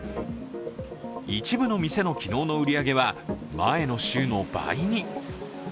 一部の店の昨日の売り上げは前の週の倍に。